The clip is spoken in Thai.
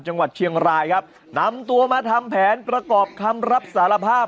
จังหวัดเชียงรายครับนำตัวมาทำแผนประกอบคำรับสารภาพ